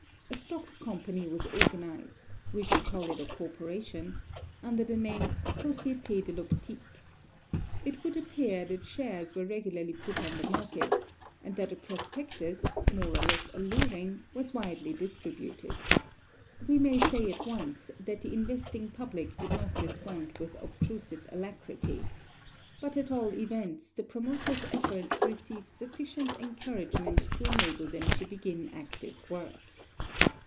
A stock company was organized we should call it a corporation under the name Société de l'Optique. It would appear that shares were regularly put on the market, and that a prospectus, more or less alluring, was widely distributed. We may say at once that the investing public did not respond with obtrusive alacrity; but at all events, the promoters' efforts received sufficient encouragement to enable them to begin active work.